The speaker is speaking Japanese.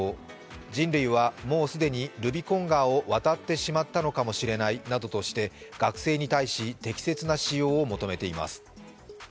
人類はもう既にルビコン川を渡ってしまったのかもしれないなどとして、学生に対し、適切な使用を求めています。